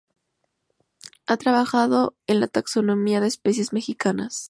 Ha trabajado en la taxonomía de especies mexicanas.